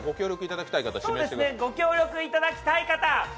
ご協力いただきたい方。